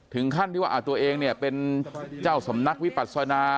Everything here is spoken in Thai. ถึงขั้นที่ว่าตัวเองเนี่ยเป็นเจ้าสำนักวิปัศนา